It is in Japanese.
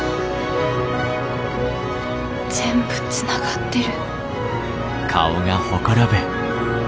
全部つながってる。